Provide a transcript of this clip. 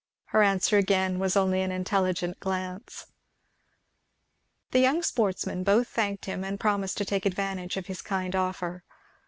Her answer again was only an intelligent glance. The young sportsmen both thanked him and promised to take advantage of his kind offer.